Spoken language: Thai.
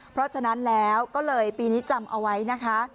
เพราะฉะนั้นแล้วก็เลยปีนี้จำเอาไว้นะคะ